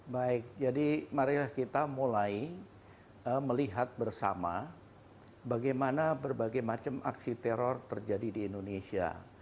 baik jadi marilah kita mulai melihat bersama bagaimana berbagai macam aksi teror terjadi di indonesia